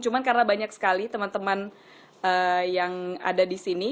cuma karena banyak sekali teman teman yang ada di sini